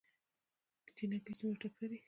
جينکۍ څومره تکړه دي